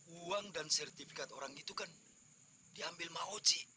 uang dan sertifikat orang itu kan diambil mah oji